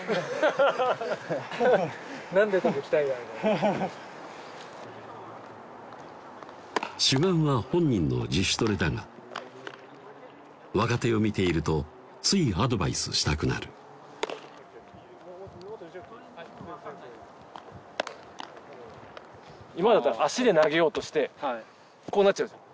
ハッハハハ主眼は本人の自主トレだが若手を見ているとついアドバイスしたくなる今だったら足で投げようとしてこうなっちゃうじゃん